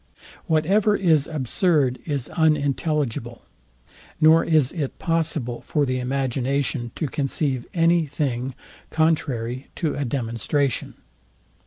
Whatever is absurd is unintelligible; nor is it possible for the imagination to conceive any thing contrary to a demonstration.